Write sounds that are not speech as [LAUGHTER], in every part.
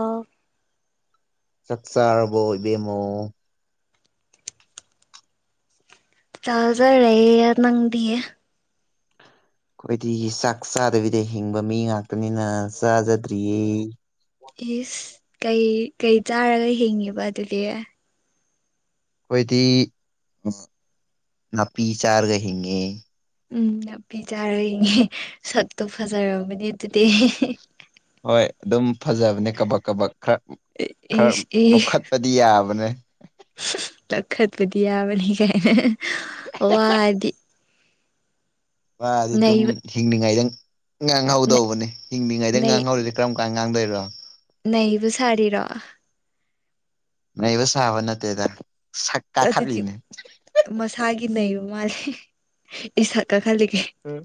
ꯑꯣ ꯆꯛꯆꯥꯥꯔꯕꯣ ꯏꯕꯃꯣ ꯆꯥꯖꯔꯦ ꯌꯥ ꯅꯪꯗꯤꯌꯦꯦ ꯑꯩꯈꯣꯏꯗꯤ ꯆꯥꯛ ꯆꯥꯗꯕꯤꯗ ꯍꯤꯡꯕ ꯃꯤ ꯉꯥꯛꯇꯅꯤꯅ ꯆꯥꯖꯗ꯭ꯔꯤꯌꯦ ꯏꯁꯁ ꯀꯩ ꯀꯩ ꯆꯥꯔꯒ ꯍꯤꯡꯉꯤꯕ ꯑꯗꯨꯗꯤ ꯑꯩꯈꯣꯏꯗꯤ ꯅꯥꯄꯤ ꯆꯥꯔꯒ ꯍꯤꯡꯉꯦ ꯎꯝ ꯅꯥꯄꯤ ꯆꯥꯔꯛꯏꯅꯦꯦ ꯁꯛꯇꯣ ꯐꯖꯔꯝꯕꯅꯦ ꯑꯗꯨꯗꯤ ꯍꯣꯏ ꯑꯗꯨꯝ ꯐꯖꯕꯅꯦ ꯀꯕꯛ ꯀꯕꯛ ꯈꯔ ꯈꯔ ꯏꯁ ꯏꯁ ꯃꯣꯛꯈꯠꯄꯗꯤ ꯌꯥꯕꯅꯦ ꯂꯈꯠꯕꯨꯗꯤꯤ ꯑꯃꯅꯤꯕꯅꯤ ꯀꯥꯏ ꯋꯥꯗꯤ ꯗꯤ ꯑꯗꯨꯝ ꯅꯩꯕ ꯍꯤꯡꯅꯤꯉꯥꯏꯗꯪ ꯅꯩ ꯉꯥꯡꯍꯧꯗꯧꯕꯅꯦ ꯍꯤꯡꯂꯤꯉꯩꯗꯒꯤ ꯉꯥꯡꯍꯧꯔꯤꯁꯦ ꯀꯔꯝ ꯀꯥꯟ ꯉꯥꯡꯗꯣꯏꯔꯣ ꯅꯕꯨ ꯁꯥꯔꯤꯔꯣ ꯅꯩꯕ ꯁꯥꯕ ꯅꯠꯇꯦꯗ ꯁꯛ ꯀꯥꯈꯠꯂꯤꯅꯦ ꯅꯕ ꯃꯥꯜꯂꯤꯦ ꯑꯦ ꯁ ꯀꯥ ꯈꯜꯂꯤ ꯀꯦ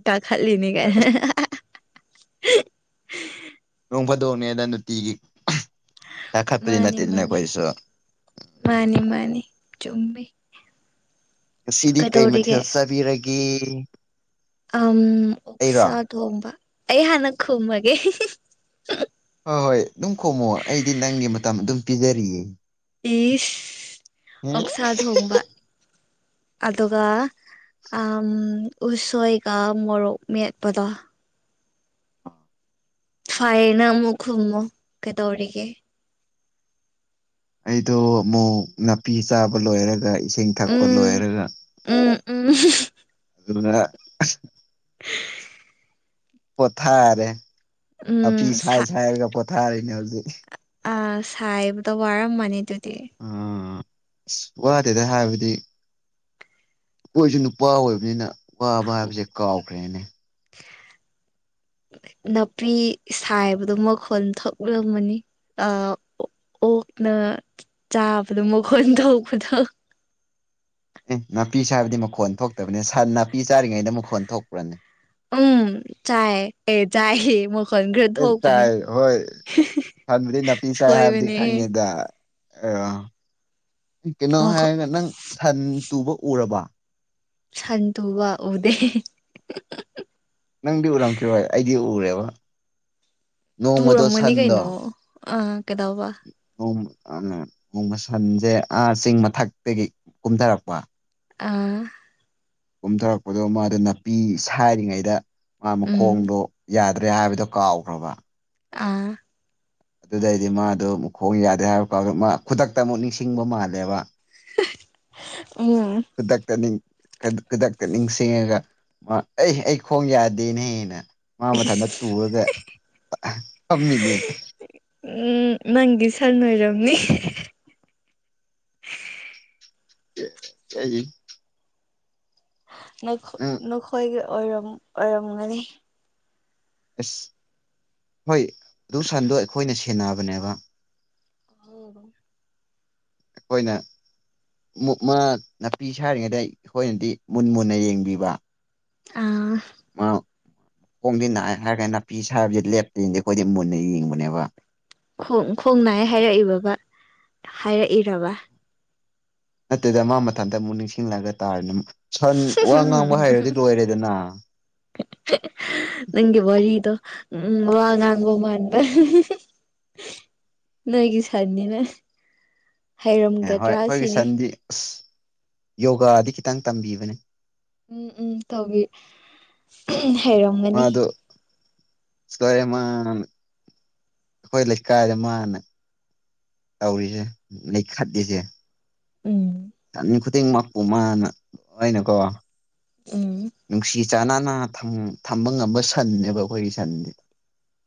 ꯀꯥ ꯈꯜꯂꯤꯅꯤ ꯀꯥꯏꯅ [UNINTELLIGIBLE] ꯐꯣꯡ ꯐꯗꯣꯛꯅꯦꯗ ꯅꯨꯡꯇꯤꯒꯤ ꯀꯥꯈꯠꯄꯗꯤ ꯃꯥꯅꯤ ꯅꯠꯇꯦꯗꯅ ꯃꯥꯅꯤ ꯑꯩꯈꯣꯏꯁꯨ ꯃꯥꯅꯤ ꯃꯥꯅꯤ ꯆꯨꯝꯃꯦꯩ ꯉꯁꯤꯗꯤ ꯀꯩ ꯃꯊꯦꯜ ꯆꯥꯕꯤꯔꯒꯦ ꯑꯝ ꯑꯩꯔꯣ ꯑꯣꯛꯁ ꯇ ꯍꯝꯕ ꯑꯩ ꯍꯅ ꯀ ꯍꯃꯒꯦ ꯍꯣꯏ ꯍꯣꯏ ꯑꯗꯨꯝ ꯈꯣꯡꯉꯣ ꯑꯩꯗꯤ ꯅꯪꯒꯤ ꯃꯇꯝ ꯑꯗꯨꯝ ꯄꯤꯖꯔꯤꯌꯦ ꯏꯁ ꯑꯣꯛꯁꯥ ꯊꯣꯡꯕ ꯑꯗꯨꯒ ꯎ ꯎꯁꯣꯏꯒ ꯃꯣꯔꯣꯛ ꯃꯦꯠꯄꯗꯣ ꯐꯥꯏꯅ ꯑꯃꯨ ꯈꯃꯣ ꯀꯗꯧꯔꯤꯒꯦ ꯑꯩꯗꯣ ꯑꯃꯨꯛ ꯅꯥꯄꯤ ꯆꯥꯕ ꯂꯣꯏꯔꯒ ꯏꯁꯤꯡ ꯊꯛꯄ ꯎꯝ ꯂꯣꯏꯔꯒ ꯎꯝ ꯎꯝ ꯑꯗꯨ ꯄꯣꯊꯥꯔꯦ ꯎꯝ ꯅꯥꯄꯤ ꯁꯥꯏ ꯁꯥ ꯁꯥꯏꯔꯒ ꯄꯣꯊꯥꯔꯤꯅꯦ ꯍꯧꯖꯤꯛ ꯑ ꯆꯥꯏꯕꯨ ꯇꯕꯨ ꯑꯔꯝ ꯃꯅꯤꯗꯨꯗꯤ ꯑꯥ ꯑꯁ ꯋꯥꯗꯦꯗ ꯍꯥꯏꯕꯗꯤ ꯑꯩꯈꯣꯏꯁꯨ ꯅꯨꯄꯥ ꯑꯣꯏꯕꯅꯤꯅ ꯋꯥꯕ ꯍꯥꯏꯕꯁꯦ ꯀꯥꯎꯈ꯭ꯔꯦꯅꯦ [INAUDIBLE] ꯅꯥꯄꯤ ꯁꯥꯏꯕꯗꯣ ꯃꯈꯣꯟ ꯊꯣꯛꯂꯝꯝꯃꯅꯤ ꯑ ꯑꯣꯛꯅ ꯆꯥꯕꯗꯣ ꯃꯈꯣꯟ ꯇꯄꯗꯣ ꯑꯦ ꯅꯥꯄꯤ ꯆꯥꯕꯗꯤ ꯃꯈꯣꯟ ꯊꯣꯛꯇꯕꯅꯤ ꯅꯥꯄꯤ ꯆꯥꯔꯤꯉꯩꯗ ꯃꯈꯣꯟ ꯊꯣꯛꯄ꯭ꯔꯅꯦ ꯎꯝ ꯆꯥꯏ ꯑꯦ ꯆꯥꯏ ꯍ ꯃ ꯆꯥꯏ ꯍꯣꯏ ꯐꯗꯤ ꯅꯄꯤ ꯆꯥꯏ ꯍꯥꯏꯕꯗꯤ ꯁꯣꯏꯕꯅꯦ ꯑꯦ ꯈꯪꯉꯦꯗ ꯑ ꯀꯩꯅꯣ ꯃꯈꯣꯟ ꯍꯥꯏꯔꯒ ꯅꯪ ꯁꯟ ꯇꯨꯕ ꯎꯔꯕ ꯁꯟꯗꯨ ꯋꯥ ꯎꯗꯦ ꯅꯪꯗꯤ ꯎꯔꯝꯈꯤꯔꯣꯏ ꯑꯩꯗꯤ ꯎꯔꯦꯕ ꯅꯣꯡꯃꯗꯣ ꯇꯨꯔꯝꯃꯅꯤ ꯀꯩꯅꯣ ꯁꯟꯗꯣ ꯑꯥ ꯀꯩꯗꯧꯕ ꯅꯣꯡ ꯃꯁꯟꯁꯦ ꯑ ꯆꯤꯡ ꯃꯊꯛꯇꯒꯤ ꯀꯨꯝꯊꯔꯛꯄ ꯑꯥ ꯀꯨꯝꯊꯔꯛꯄꯗꯣ ꯃꯥꯗꯨ ꯅꯥꯄꯤ ꯁꯔꯤꯉꯩꯗ ꯃꯥ ꯎꯝ ꯃꯈꯣꯡꯗꯣ ꯌꯥꯗ ꯑꯗꯨ꯭ꯔꯦ ꯍꯥꯏꯕꯗꯣ ꯀꯥꯎꯈ꯭ꯔꯕ ꯑꯥ ꯑꯗꯨꯗꯩꯗꯤ ꯃꯥꯗꯣ ꯈꯣꯡ ꯌꯥꯗꯦ ꯍꯥꯏꯕꯀꯥꯎꯗ ꯃꯥ ꯈꯨꯗꯛꯇ ꯑꯃꯨꯛ ꯅꯤꯡꯁꯤꯡꯕ ꯃꯥꯜꯂꯦꯕ [INAUDIBLE] ꯆꯗꯥꯛꯇꯥꯅꯤ ꯈꯨꯗꯛꯇ ꯅꯤꯡꯁꯤꯡꯉꯒ ꯃꯥ ꯑꯩ ꯑꯩ ꯈꯣꯡ ꯌꯥꯗꯦꯅꯦꯦꯅ ꯃꯥꯡ ꯏꯁ ꯃꯊꯟꯇ ꯇꯨꯔꯒ ꯊꯝꯃꯤꯅꯤ ꯎꯝ ꯃꯪꯒꯤ ꯁꯥꯟꯅꯣꯏꯔꯝꯅꯤ ꯀ ꯅꯈꯣꯏꯒꯤ ꯑꯣꯏꯔꯝꯒꯅꯤ ꯑꯁ ꯍꯣꯏ ꯑꯗꯨ ꯁꯟꯗꯣ ꯑꯩꯈꯣꯏꯅ ꯁꯦꯟꯅꯕꯅꯦꯕ ꯑꯣ ꯑꯩꯈꯣꯏꯅ ꯛꯃ ꯅꯥꯄꯤ ꯁꯥꯔꯤꯉꯩꯗ ꯑꯩꯈꯣꯏꯅꯗꯤ ꯃꯨꯟ ꯃꯨꯟꯅ ꯌꯦꯡꯕꯤꯕ ꯑꯥ ꯑ ꯈꯣꯡꯖꯤ ꯍꯥꯏꯔꯒ ꯅꯥꯄꯤ ꯁꯥ ꯍꯥꯏꯕꯁ ꯂꯦꯞꯇꯔꯤꯅꯗꯤ ꯑꯩꯈꯣꯏꯗꯤ ꯃꯨꯟꯅ ꯌꯦꯡꯕꯅꯦꯕ ꯣꯡ ꯈꯣꯡ ꯅꯥꯏ ꯍꯥꯏꯔꯛꯏꯕ ꯍꯥꯏꯔꯛꯏꯔꯕ ꯅꯠꯇꯗ ꯃꯥ ꯃꯊꯟꯇ ꯑꯃꯨꯛ ꯅꯤꯡꯁꯤꯡꯂꯛꯑꯒ ꯇꯥꯔꯦꯅ ꯁꯟ ꯋꯥ ꯉꯥꯡꯕ ꯍꯥꯏꯔꯗꯤ ꯂꯣꯏꯔꯦꯗꯅ ꯅꯪꯦ ꯔꯤ ꯏꯗꯣ ꯎꯝ ꯋꯥ ꯉꯉꯕꯃꯇ ꯅꯣꯏꯒꯤ ꯁꯟꯅꯤꯅꯦ ꯑꯦ ꯍꯣꯏ ꯍꯩꯔꯝꯒꯗ꯭ꯔꯥ ꯑꯩꯈꯣꯏꯒꯤ ꯁꯤꯅꯤ ꯁꯟꯗꯤ ꯑꯁ ꯌꯣꯒꯥꯗꯤ ꯈꯤꯇꯪ ꯇꯝꯕꯤꯕꯅꯦ ꯎꯝ ꯎꯝ ꯇꯧꯕꯤ ꯍꯩꯔꯝꯒꯅꯤ ꯁꯃ ꯑꯩꯈꯣꯏ ꯂꯩꯀꯥꯏꯗ ꯃꯥꯅ ꯇꯧꯔꯤꯁꯦ ꯂꯩꯈꯠꯂꯤꯁꯦ ꯎꯝ ꯆꯃꯤ ꯈꯨꯗꯤꯡꯃꯛꯄꯨ ꯃꯥꯅ ꯑꯣꯏꯅꯀꯣ ꯎꯝ ꯏꯥ ꯅꯥꯅꯥ ꯊꯝꯕ ꯉꯝꯕ ꯁꯟꯅꯦꯕ ꯑꯩꯈꯣꯏꯒꯤ ꯁꯟꯗꯤꯦ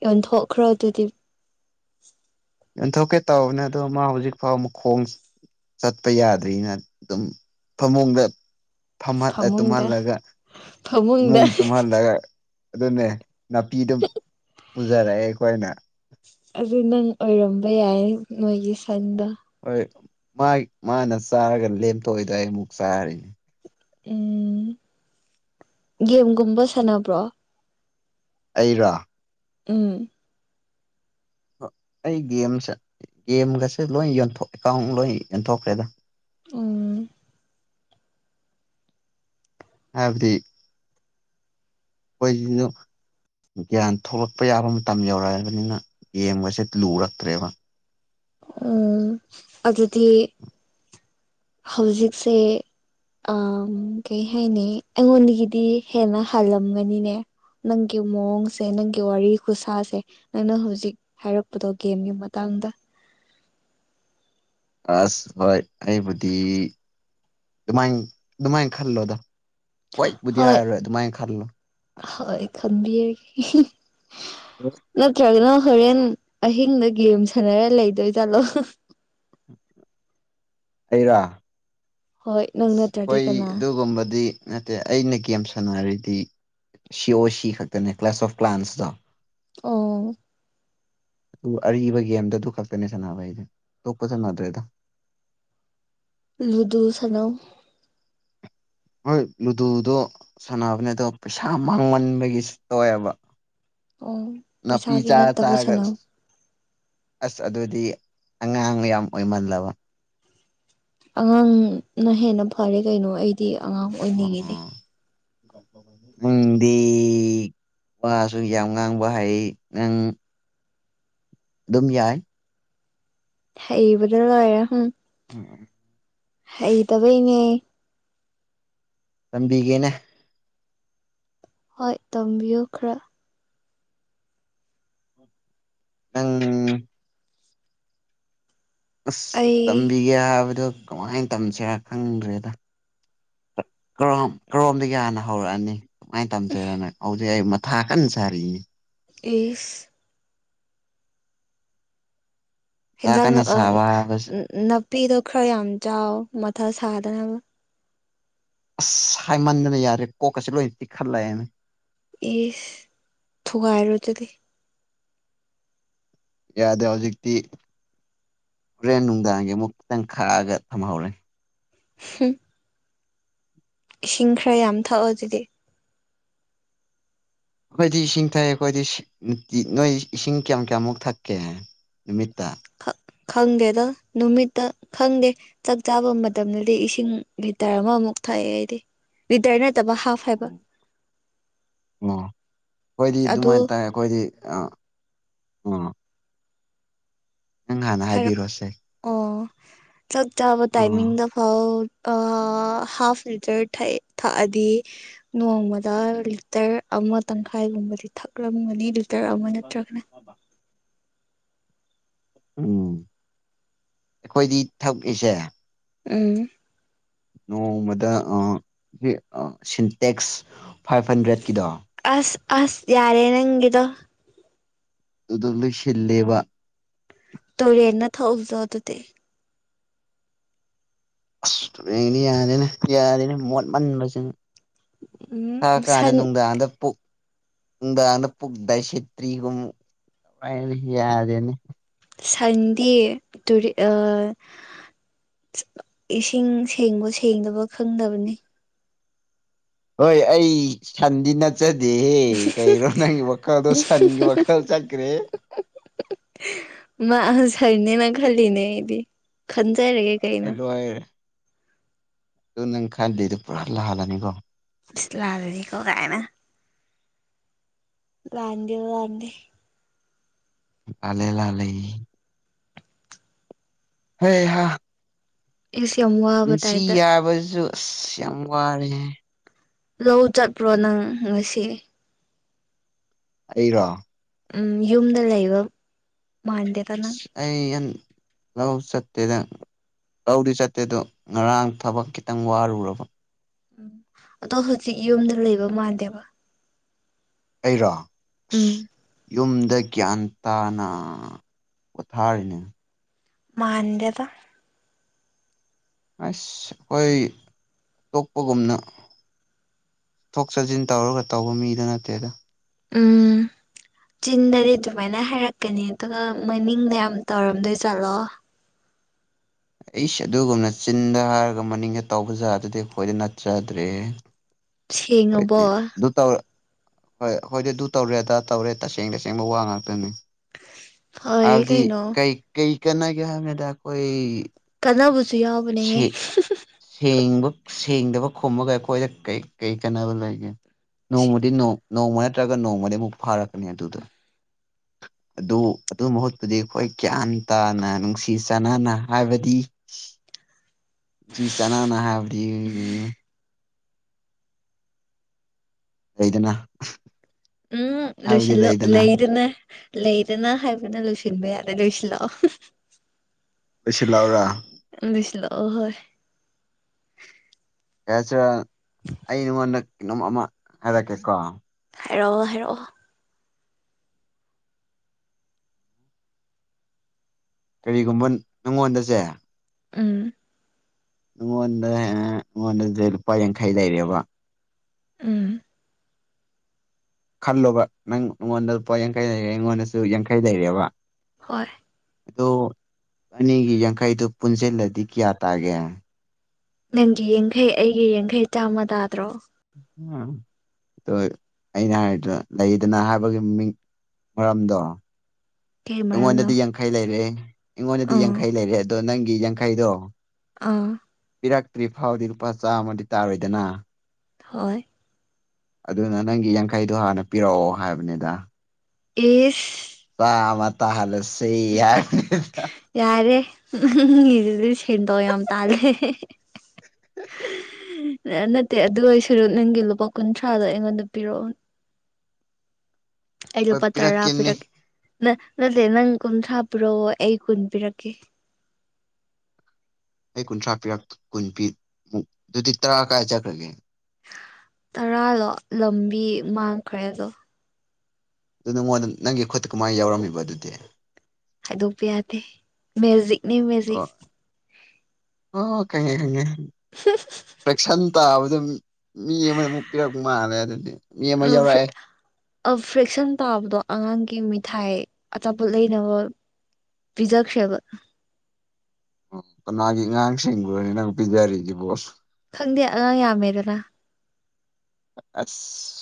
ꯌꯟꯊꯣꯛꯈ꯭ꯔꯣ ꯑꯗꯨꯗꯤ ꯌꯟꯊꯣꯛꯀꯦ ꯇꯧꯕꯅꯦ ꯑꯗꯣ ꯃꯥ ꯍꯧꯖꯤꯛ ꯐꯥꯎ ꯑꯃ ꯈꯣꯡ ꯆꯠꯄ ꯌꯥꯗ꯭ꯔꯤꯅ ꯑꯗꯨꯝ ꯐꯃꯨꯡꯗ ꯐꯝꯍꯜꯂ ꯐꯃꯨꯡꯗ ꯇꯨꯝꯍꯜꯂꯒ ꯐꯃꯨꯡꯗ ꯏꯃꯨꯡ ꯇꯨꯝꯍꯜꯂꯒ ꯑꯗꯨꯅꯦ ꯅꯥꯄꯤꯗꯨꯝ ꯄꯨꯖꯔꯛꯑꯦ ꯑꯩꯈꯣꯏꯅ ꯑꯗꯨ ꯅꯪ ꯑꯣꯏꯔꯝꯕ ꯌꯥꯏ ꯃꯣꯏꯒꯤ ꯁꯟꯗꯣ ꯍꯣꯏ ꯃꯥ ꯃꯥꯅ ꯆꯥꯔꯒ ꯂꯦꯝꯊꯣꯛꯏꯗ ꯑꯩ ꯑꯃꯨꯛ ꯆꯥꯔꯤꯅꯤ ꯎꯝ ꯒꯦꯝꯒꯨꯝꯕ ꯁꯥꯟꯅꯕ꯭ꯔꯣ ꯑꯩꯔꯥ ꯎꯝ ꯑꯩ ꯒꯦꯝꯁꯦ ꯒꯦꯝꯒꯁꯦ ꯂꯣꯏ ꯑꯦꯀꯥꯎꯟ ꯂꯣꯏ ꯌꯣꯟꯊꯣꯛꯈ꯭ꯔꯦꯗ ꯑꯣ ꯑꯕꯗꯤ ꯍꯣꯏ ꯒ꯭ꯌꯥꯟ ꯊꯣꯛꯂꯛꯄ ꯌꯥꯕ ꯃꯇꯝ ꯌꯧꯔꯛꯑꯕꯅꯤꯅ ꯒꯦꯝꯒꯁꯦ ꯂꯨꯔꯛꯇ꯭ꯔꯦꯕ ꯎ ꯑꯗꯨꯗꯤ ꯍꯧꯖꯤꯛꯁꯦ ꯑ ꯀꯩ ꯍꯥꯏꯅꯤ ꯑꯩꯉꯣꯟꯗꯒꯤꯗꯤ ꯍꯦꯟꯅ ꯍꯥꯜꯂꯝꯒꯅꯤꯅꯦ ꯅꯪꯒꯤ ꯃꯑꯣꯡꯁꯦ ꯅꯪꯒꯤ ꯋꯥꯔꯤ ꯈꯨꯁꯥꯁꯦ ꯅꯪꯅ ꯍꯧꯖꯤꯛ ꯍꯥꯏꯔꯛꯄꯗꯣ ꯒꯦꯝꯒꯤ ꯃꯇꯥꯡꯗ ꯑꯁ ꯍꯣꯏ ꯑꯩꯕꯨꯗꯤ ꯑꯗꯨꯃꯥꯏꯅ ꯑꯗꯨꯃꯥꯏꯅ ꯈꯜꯂꯣꯗ ꯍꯣꯏꯕꯨꯗꯤ ꯍꯣꯏ ꯍꯥꯏꯔꯔꯣꯏ ꯑꯗꯨꯃꯥꯏꯅ ꯈꯜꯂꯣ ꯍꯣꯏ ꯈꯟꯕꯤꯔꯒꯦ ꯅꯠꯇ꯭ꯔꯒꯅ ꯍꯣꯔꯦꯟ ꯑꯍꯤꯡꯗ ꯒꯦꯝ ꯁꯥꯟꯅꯔ ꯂꯩꯗꯣꯏ ꯆꯠꯂꯣ ꯎꯝ ꯑꯩꯔꯥ ꯍꯣꯏ ꯅꯪ ꯑ ꯅꯠꯇ꯭ꯔꯗꯤ ꯍꯣꯏ ꯀꯅꯥ ꯑꯗꯨꯒꯨꯝꯕꯗꯤ ꯅꯠꯇꯦ ꯑꯩꯅ ꯒꯦꯝ ꯁꯥꯟꯅꯔꯤꯗꯤ ꯁꯤ ꯑꯣ ꯁꯤ ꯈꯛꯇꯅꯦ ꯀ꯭ꯂꯥꯁ ꯑꯣꯐ ꯄ꯭ꯂꯥꯟꯁꯇꯣ ꯑꯣ ꯑꯗꯨ ꯑꯔꯤꯕ ꯒꯦꯝꯗ ꯑꯗꯨ ꯈꯛꯇꯅꯦ ꯁꯥꯟꯅꯕ ꯑꯩꯁꯦ ꯇꯇꯣꯛꯄ ꯁꯥꯟꯅꯗ꯭ꯔꯦꯗ [INAUDIBLE] ꯂꯨꯗꯨꯨ ꯁꯅꯝ ꯍꯣꯏ ꯂꯨꯗꯨꯗꯣ ꯁꯥꯟꯅꯕꯅꯦ ꯑꯗꯣ ꯄꯩꯁꯥ ꯃꯥꯡꯃꯟꯕꯒꯤꯁꯨ ꯇꯧꯋꯦꯕ ꯑꯣ ꯅ ꯄꯤ ꯄꯩꯁꯥꯒꯤ ꯆ ꯅꯠꯇꯕ ꯆꯒ ꯁꯥꯟꯅꯧ ꯑꯁ ꯑꯗꯨꯗꯤ ꯑꯉꯥꯡ ꯌꯥꯝ ꯑꯣꯏꯃꯜꯂꯕ ꯑꯉꯥꯡꯅ ꯍꯦꯟꯅ ꯐꯔꯦ ꯀꯩꯅꯣ ꯑꯩꯗꯤ ꯑꯉꯥꯡ ꯑꯣꯏꯅꯤꯡꯉꯤꯅꯦ ꯎꯝꯗ ꯋꯥꯁꯨ ꯌꯥꯝ ꯉꯥꯡꯕ ꯍꯥꯏ ꯅꯪ ꯑꯗꯨꯝ ꯌꯥꯏ ꯍꯕꯗꯅ ꯂꯦ ꯍ ꯎꯝ ꯑꯩ ꯇꯕ ꯏꯅꯦ ꯇꯝꯕꯤꯒꯦꯅꯦ ꯍꯣꯏ ꯇꯝꯕꯤꯌꯨ ꯈꯔ ꯎꯪ ꯑꯁ ꯑꯩ ꯇꯝꯕꯤꯒꯦ ꯍꯥꯏꯕꯗꯣ ꯀꯃꯥꯏꯅ ꯇꯝꯁꯦ ꯈꯪꯗ꯭ꯔꯦꯗ ꯀꯔꯣꯝꯗꯒꯤ ꯌꯥꯅ ꯍꯧꯔꯛꯑꯅꯤ ꯁꯨꯃꯥꯏꯅ ꯇꯝꯖꯔꯅ ꯍꯧꯖꯤꯛ ꯑꯩ ꯃꯊꯥ ꯀꯟꯅ ꯁꯥꯔꯤꯌꯦ ꯏ ꯃꯊꯥ ꯍꯟꯖꯥꯡꯅꯥ ꯀꯟꯅ ꯁꯥꯕ ꯍꯥꯏꯕꯁꯤ ꯅꯥꯄꯤꯗꯣ ꯈꯔ ꯌꯥꯝ ꯆꯥꯎ ꯃꯊ ꯊꯥꯗꯅꯕ ꯑꯁ ꯍꯥꯏꯃꯟꯗꯅ ꯌꯥꯔꯦ ꯀꯣꯛꯀꯁꯤ ꯂꯣꯏꯅ ꯇꯤꯛꯈꯠꯂꯛꯑꯦꯅꯦ ꯑꯦ ꯊꯨꯒꯥꯏꯔꯣ ꯑꯗꯨꯗꯤ ꯌꯥꯗꯦ ꯍꯧꯖꯤꯛꯇꯤ ꯍꯨꯔꯦꯟ ꯅꯨꯡꯗꯥꯡꯒꯤ ꯑꯃꯨꯛ ꯈꯤꯇꯪ ꯈꯥꯛꯑꯒ ꯊꯝꯍꯧꯔꯦ ꯍ ꯏꯁꯤꯡ ꯈꯔ ꯌꯥꯝ ꯊꯛꯑꯣ ꯑꯗꯨꯗꯤ ꯑꯩꯈꯣꯏꯗꯤ ꯏꯁꯤꯡ ꯊꯛꯑꯦ ꯑꯩꯈꯣꯏꯗꯤ ꯅꯣꯏ ꯏꯁꯤꯡ ꯀꯌꯥꯝ ꯀꯌꯥꯃꯨꯛ ꯊꯛꯀꯦ ꯅꯨꯃꯤꯠꯇ ꯈꯪꯗꯦꯗ ꯅꯨꯃꯤꯠꯇ ꯈꯪꯗꯦ ꯆꯥꯛ ꯆꯥꯕ ꯃꯇꯝꯗꯗꯤ ꯏꯁꯤꯡ ꯂꯤꯚꯤꯇꯔ ꯑꯃ ꯃꯨꯛ ꯊꯥꯏ ꯀꯗꯤ ꯇ ꯍꯥ ꯍꯥꯏꯕ ꯎ ꯑꯩꯈꯣꯏꯗꯤ ꯑꯗꯨ ꯑꯗꯨꯃꯥꯏꯅ ꯇꯥꯏ ꯑꯩꯈꯣꯏꯗꯤ ꯑꯥ ꯎꯝ ꯅꯪ ꯍꯥꯟꯅ ꯍꯥꯏꯕꯤꯔꯣꯑꯣꯁꯦ ꯆꯣꯛ ꯇꯣ ꯇꯥꯏꯃꯤꯡꯗ ꯐꯥꯎ ꯍꯥꯐ ꯂꯤꯇꯔ ꯊꯛꯑꯗꯤ ꯅꯣꯡꯃꯗ ꯂꯤꯇꯔ ꯑꯃ ꯇꯪꯈꯥꯏꯒꯨꯝꯕꯗꯤ ꯊꯛꯂꯝꯒꯅꯤ ꯂꯤꯇꯔ ꯑꯃ ꯅꯠꯇ꯭ꯔꯒꯅ ꯎꯝ ꯑꯩꯈꯣꯏꯗꯤ ꯊꯛꯏꯁꯦ ꯎꯝ ꯅꯣꯡꯃꯗ ꯁꯤꯟꯇꯦꯛꯁ ꯐꯥꯏꯚ ꯍꯟꯗ꯭ꯔꯦꯠꯀꯤꯗꯣ ꯑꯁ ꯑꯁ ꯌꯥꯔꯦ ꯅꯪꯒꯗꯣ ꯑꯗꯨꯗ ꯂꯣꯏ ꯁꯤꯜꯂꯦꯕ ꯇꯧꯔꯦꯟꯅ ꯊꯧꯖꯗꯗꯤ ꯑꯁ ꯌꯥꯔꯦꯅꯦ ꯌꯥꯔꯦꯅꯦ ꯃꯣꯠꯃꯟꯕꯁ ꯎꯝ ꯊ ꯀꯥꯅ ꯁꯟ ꯅꯨꯡꯗꯥꯡꯗ ꯄꯣꯛ ꯅ ꯄꯨꯒꯗ ꯁꯦꯇ꯭ꯔꯤꯒꯨꯝ ꯌꯥꯗꯦꯅꯦ ꯁꯟꯗꯤ ꯇꯔꯤ ꯑ ꯏꯁꯤꯡ ꯁꯦꯡꯕ ꯁꯦꯡꯗꯕ ꯈꯪꯗꯕꯅꯤ ꯍꯣꯏ ꯑꯩ ꯁꯥꯟꯗꯤ ꯅ ꯆꯠꯆꯗꯦꯦ ꯀꯔꯣ ꯅꯪꯒꯤ ꯋꯥꯈꯜꯗꯣ ꯁꯟꯒꯤ ꯋꯥꯈꯜ ꯆꯠꯈ꯭ꯔꯦ ꯃꯥꯥ ꯁꯔꯅꯤ ꯅ ꯈꯂꯤꯅꯦ ꯏꯗꯤ ꯈꯟꯖꯔꯒꯦ ꯑꯩ ꯀꯩꯅ ꯂꯣꯏꯔꯦ ꯑꯗꯨ ꯅꯪ ꯈꯥꯏꯗꯗ ꯄꯨꯔꯥꯜꯥ ꯍꯥꯜꯂꯅꯤꯕꯣ ꯄꯤꯁꯂꯥꯗꯗꯤꯀꯣ ꯀꯥꯏꯅ ꯂꯗ ꯑꯗꯨ ꯂꯗꯤ ꯂꯂꯦ ꯂꯥ ꯂꯩꯦ ꯍꯣꯏ ꯍ ꯏꯁ ꯌꯥꯝ ꯋꯥꯕ ꯟꯁꯤ ꯇꯥꯏꯞꯇ ꯌꯥꯕꯁꯨ ꯑꯁ ꯌꯥꯝ ꯋꯥꯔꯦ ꯂꯧ ꯆꯠꯄ꯭ꯔꯣ ꯅꯪ ꯉꯁꯤ ꯑꯩꯔ ꯎꯝ ꯌꯨꯝꯗ ꯂꯩꯕ ꯃꯥꯟꯗꯦꯗ ꯅꯪ ꯑꯦꯟ ꯂꯧꯁꯠꯇꯦꯗ ꯂꯧꯗꯤ ꯆꯠꯇꯦꯗ ꯉꯔꯥꯡ ꯊꯕꯛ ꯈꯤꯇꯪ ꯋꯥꯔꯨꯔꯕ ꯎꯝ ꯑꯗꯣ ꯍꯧꯖꯤꯛ ꯌꯨꯝꯗ ꯂꯩꯕ ꯃꯥꯟꯗꯦꯕ ꯑꯩꯔꯥ ꯎꯝ ꯌꯨꯝꯗ ꯒ꯭ꯌꯥꯟ ꯇꯥꯅ ꯄꯣꯊꯥꯔꯤꯅꯦ ꯃꯥꯟꯗ ꯑꯁ ꯑꯩꯈꯣꯏ ꯇꯣꯛꯄꯒꯨꯝꯅ ꯊꯣꯛ ꯆꯠꯁꯤꯟ ꯇꯧꯔꯒ ꯇꯧꯕ ꯃꯤꯗ ꯅꯠꯇꯦꯗ ꯎꯝ ꯆꯤꯟꯗꯗꯤ ꯑꯗꯨꯃꯥꯏꯅ ꯍꯥꯏꯔꯛꯀꯅꯤ ꯑꯗꯨꯒ ꯃꯅꯤꯡꯗꯣ ꯌꯥꯝ ꯇꯧꯔꯝꯗꯣꯏ ꯆꯠꯂꯣ ꯑꯩꯁꯦ ꯑꯗꯨꯒꯨꯝꯅ ꯆꯤꯟꯗ ꯍꯥꯏꯔꯒ ꯃꯅꯤꯡꯗ ꯇꯧꯕ ꯖꯥꯔꯗꯨꯗꯤ ꯑꯩꯈꯣꯏꯗ ꯅꯠꯆꯗ꯭ꯔꯦ ꯍꯣꯏ ꯁꯦꯡꯉꯕꯣ ꯗ ꯇ ꯍꯣꯏ ꯑꯩꯣꯏꯗꯤ ꯑꯗꯨ ꯇꯧꯔꯦ ꯑꯗꯥ ꯇꯧꯔꯦ ꯇꯁꯦꯡ ꯇꯁꯦꯡꯕ ꯋꯥ ꯉꯥꯛꯇꯅꯤ ꯐꯔꯦ ꯍꯥꯏꯕꯗꯤ ꯀꯩꯅꯣ ꯀꯩ ꯀꯩ ꯀꯥꯟꯅꯒꯦ ꯍꯥꯏꯕꯗ ꯑꯩꯈꯣꯏ ꯀꯥꯟꯅꯕꯁꯨ ꯌꯥꯎꯕꯅꯦꯍꯦ ꯕꯨ ꯊꯦꯡꯗꯕ ꯈꯣꯝꯃꯒ ꯑꯩꯈꯣꯏꯗ ꯀ ꯀꯔꯤ ꯀꯥꯟꯅꯕ ꯂꯩꯒꯦ ꯁꯤ ꯅꯣꯡꯃꯗꯤ ꯅꯣꯡꯃ ꯅꯠꯇ꯭ꯔꯒ ꯅꯣꯡꯃꯔꯤꯃꯨꯛ ꯐꯥꯔꯛꯀꯅꯤ ꯑꯗꯨꯗ ꯑꯗꯨ ꯑꯗꯨ ꯃꯍꯨꯠꯄꯨꯗꯤ ꯑꯩꯈꯣꯏ ꯒ꯭ꯌꯥꯟ ꯇꯥꯅ ꯅꯨꯡꯁꯤ ꯆꯥꯟꯅꯅ ꯍꯥꯏꯕꯗꯤ ꯐ ꯆꯅꯅ ꯍꯥꯏꯕꯗꯤ ꯂꯩꯗꯅ ꯎꯝ ꯍꯥꯏꯕꯗꯤ ꯁꯤꯂꯨ ꯂꯩꯗꯅ ꯂꯩ ꯏꯔꯅ ꯂꯩꯗꯅ ꯍꯥꯏꯕꯅ ꯂꯣꯏꯁꯤꯟꯕ ꯌꯥꯔꯦ ꯂꯣꯏꯁꯤꯜꯂꯛꯑꯣ ꯑꯩꯁꯤ ꯂꯥꯎꯔꯥ ꯑꯍꯣꯏ ꯌꯥ ꯑꯩ ꯅꯉꯣꯟꯗ ꯀꯩꯅꯣꯝ ꯑꯃ ꯍꯥꯏꯔꯛꯀꯦꯀꯣ ꯍꯥꯏꯔꯛꯑꯣ ꯍꯥꯏꯔꯛꯑꯣ ꯀꯔꯤꯒꯨꯝꯕ ꯅꯪꯉꯣꯟꯗꯁꯦ ꯎꯝ ꯑꯩꯉꯣꯟꯗ ꯑꯩꯉꯣꯟꯗꯗꯤ ꯂꯨꯄꯥ ꯌꯥꯡꯈꯩ ꯂꯩꯔꯦꯕ ꯎꯝ ꯈꯜꯂꯨꯕ ꯅꯪ ꯑꯩꯉꯣꯟꯗ ꯂꯨꯄꯥ ꯌꯥꯡꯈꯩ ꯂꯩꯔꯦ ꯑꯩꯉꯣꯟꯗꯁꯨ ꯌꯥꯡꯈꯩ ꯂꯩꯔꯦꯕ ꯍꯣꯏ ꯑꯗꯣ ꯑꯅꯤꯒꯤ ꯌꯥꯡꯈꯩꯗꯨꯣ ꯄꯨꯟꯁꯤꯜꯂꯗꯤ ꯀꯌꯥ ꯇꯥꯒꯦ ꯅꯪꯒꯤ ꯌꯦꯡꯈꯩ ꯑꯩꯒꯤ ꯌꯦꯡꯈꯩ ꯆꯥꯝꯃ ꯇꯥꯗ꯭ꯔꯣ ꯎ ꯑ ꯑꯩꯅ ꯍꯥꯏꯔꯤꯗꯅ ꯂꯩꯗꯅ ꯍꯥꯏꯕꯒꯤ ꯃꯃꯤꯡ ꯃꯔꯝꯗꯣ ꯀꯩ ꯃꯔꯝꯅꯣ ꯑꯩꯉꯣꯟꯗꯗꯤ ꯌꯥꯡꯈꯩ ꯂꯩꯔꯦ ꯑꯩꯉꯣꯟꯗꯗꯤ ꯑꯥ ꯌꯥꯡꯈꯩ ꯂꯩꯔꯦ ꯣ ꯅꯪꯒꯤ ꯌꯦꯖꯡ ꯀꯥꯏꯗꯣ ꯑꯥ ꯄꯤꯔꯛꯇ꯭ꯔꯤ ꯐꯥꯎꯗꯤ ꯂꯨꯄꯥ ꯆꯥꯝꯃꯗꯤ ꯇꯥꯔꯣꯏꯗꯅ ꯍꯣꯏ ꯑꯗꯨꯅ ꯅꯪꯒꯤ ꯌꯥꯡꯈꯩꯗꯣ ꯍꯥꯟꯅ ꯄꯤꯔꯛꯑꯣ ꯍꯥꯏꯕꯅꯤꯗ ꯏꯁ ꯁꯃꯠꯇ ꯍꯂ ꯁꯤ ꯌꯥꯔꯦꯝ ꯁꯦꯟꯗꯧ ꯌꯥꯝ ꯇꯥꯜꯔꯦ ꯅꯠꯇꯦ ꯑꯗꯨ ꯑꯣꯏ ꯁꯔ ꯅꯪꯒꯤ ꯂꯨꯄꯥ ꯀꯨꯟꯊ꯭ꯔꯥꯗꯣ ꯑꯩꯉꯣꯟꯗ ꯄꯤꯔꯛꯑꯣꯅꯦ ꯑꯩ ꯍꯣꯏ ꯂꯨꯄꯥ ꯇꯔꯥ ꯄꯤꯔꯛꯀꯦꯅꯦ ꯄꯤꯔꯛꯀꯦ ꯅ ꯅꯠꯇꯦ ꯅꯪ ꯀꯨꯟꯊ꯭ꯔꯥ ꯄꯤꯔꯛꯑꯣ ꯑꯩ ꯀꯨꯟ ꯄꯤꯔꯛꯀꯦ ꯑꯩ ꯀꯨꯟꯊ꯭ꯔꯥ ꯄꯤꯔꯛ ꯀꯨꯟ ꯄꯤꯃꯨꯛ ꯑꯗꯨꯗꯤ ꯇꯔꯥ ꯀꯗꯥꯏ ꯆꯠꯈ꯭ꯔꯒꯦ ꯇꯔꯥ ꯂꯣ ꯂꯝꯕꯤ ꯃꯥꯡꯈ꯭ꯔꯦ ꯑꯗꯣ ꯑꯗꯨ ꯅꯪꯉꯣꯟꯗ ꯅꯪꯒꯤ ꯈꯨꯠꯇ ꯀꯃꯥꯏꯅ ꯌꯥꯎꯔꯝꯃꯤꯕ ꯑꯗꯨꯗꯤ ꯑꯗꯨ ꯄ ꯌꯥꯗꯦ ꯃꯦꯖꯤꯛꯅꯦ ꯃꯦꯖꯤꯛ ꯑꯣ ꯑꯣ ꯈꯪꯉꯦ ꯈꯪꯉꯦꯪꯦ ꯄ꯭ꯔꯦꯛꯁꯟ ꯇꯥꯕ ꯑꯗꯨꯝ ꯃꯤ ꯑꯃꯅ ꯑꯃꯨꯛ ꯄꯤꯔꯛꯄ ꯃꯥꯜꯂꯦ ꯑꯗꯨꯗꯤ ꯃꯤ ꯑꯃ ꯌꯧꯔꯛꯑꯦ ꯐ꯭ꯔꯦꯛꯁꯟ ꯇꯥꯕꯗꯣ ꯑꯉꯥꯡꯒꯤ ꯃꯤꯊꯥꯏ ꯑꯆꯥꯄꯣꯠ ꯂꯩꯅꯕ ꯕꯤꯖꯥꯥꯁꯦꯕ ꯑꯣ ꯃꯥꯒꯤ ꯑꯉꯥꯡꯁꯤꯡꯕꯨꯅꯤꯅ ꯄꯤꯖꯔꯤꯗꯤ ꯣꯁ ꯗꯤ ꯑ ꯌꯥꯝ ꯃꯗꯅ ꯑꯁ